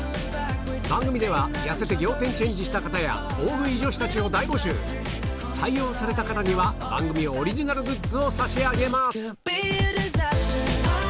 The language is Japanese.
番組では痩せて仰天チェンジした方や大食い女子たちを大募集採用された方には番組オリジナルグッズを差し上げます